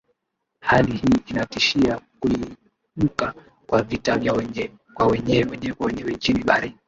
hali hii inatishia kuibuka kwa vita vya wenyewe kwa wenyewe nchini bahrain